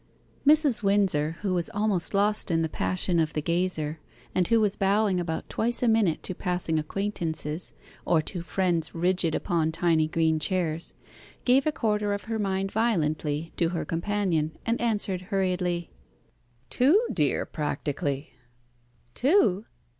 Mrs. Windsor, who was almost lost in the passion of the gazer, and who was bowing about twice a minute to passing acquaintances, or to friends rigid upon tiny green chairs, gave a quarter of her mind violently to her companion, and answered hurriedly "Two, dear, practically." "Two!"